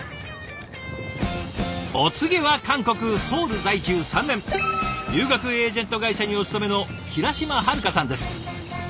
お次は韓国・ソウル在住３年留学エージェント会社にお勤めの平島遥花さんです。